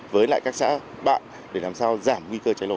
với lại các xã bạn để làm sao giảm nguy cơ cháy nổ